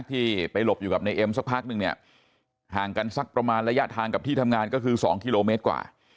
ที่ไปหลบอยู่กับนายเอ็มสักพักนึงเนี่ยห่างกันสักประมาณระยะทางกับที่ทำงานก็คือ๒กิโลเมตรกว่า